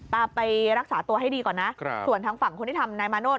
ไปรักษาตัวให้ดีก่อนนะส่วนทางฝั่งคนที่ทำนายมาโนธ